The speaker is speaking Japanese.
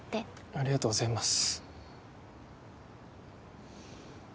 ありがとうございます。